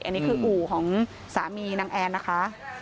อันนี้คืออู่ของสามีนางแอนนะคะ